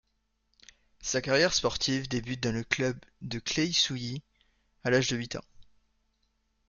Sa carrière sportive débute dans le club de Claye-Souilly, à l’âge de huit ans.